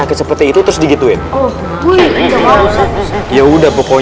kamu harus dirumahkan aja atau dimulai